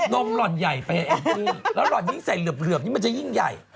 มหล่อนใหญ่ไปเองแล้วหล่อนยิ่งใส่เหลือบนี้มันจะยิ่งใหญ่